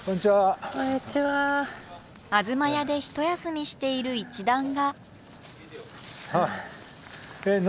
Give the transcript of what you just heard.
あずまやで一休みしている一団が。